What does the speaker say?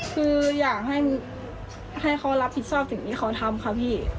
คืออยากให้เขารับผิดชอบสิ่งที่เขาทำค่ะพี่